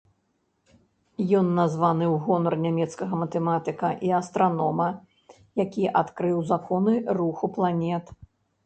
Ён названы ў гонар нямецкага матэматыка і астранома, які адкрыў законы руху планет.